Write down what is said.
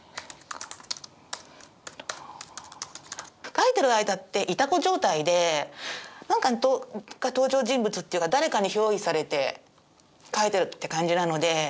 書いてる間ってイタコ状態で何か登場人物っていうか誰かにひょう依されて書いてるって感じなので。